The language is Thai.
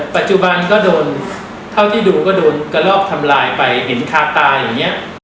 ปัจจุบันก็โดนเท่าที่ดูก็โดนกระลอกทำลายไปเห็นคาตาอย่างนี้